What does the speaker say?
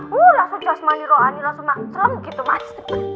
wuh langsung jasmani rohani langsung maksum gitu mas